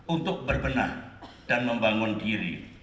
untuk berbenah dan membangun diri